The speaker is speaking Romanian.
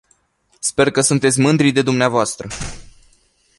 Sper că sunteți mândri de dvs.